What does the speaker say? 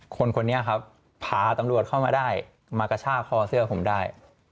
คนนี้ครับพาตำรวจเข้ามาได้มากระชากคอเสื้อผมได้